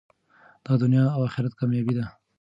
دا د دنیا او اخرت کامیابي ده.